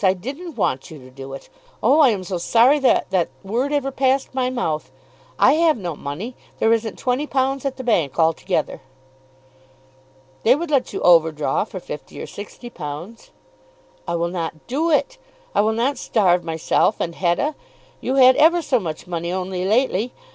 I didn't want you to do it. Oh, I am so sorry that that word ever passed my mouth! I have no money. There isn't £20 at the bank altogether." "They would let you overdraw for £50 or £60." "I will not do it. I will not starve myself and Hetta. You had ever so much money only lately.